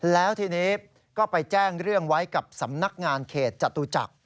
แล้วทีนี้ก็ไปแจ้งเรื่องไว้กับสำนักงานเขตจตุจักร